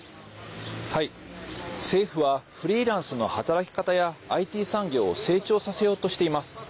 政府はフリーランスの働き方やＩＴ産業を成長させようとしています。